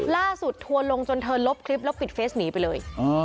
ทัวร์ลงจนเธอลบคลิปแล้วปิดเฟสหนีไปเลย